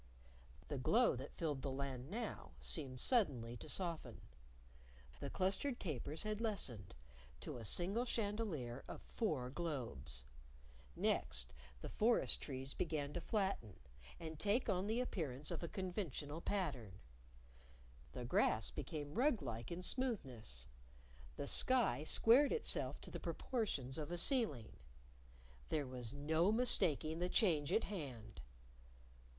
The glow that filled the Land now seemed suddenly to soften. The clustered tapers had lessened to a single chandelier of four globes. Next, the forest trees began to flatten, and take on the appearance of a conventional pattern. The grass became rug like in smoothness. The sky squared itself to the proportions of a ceiling. There was no mistaking the change at hand!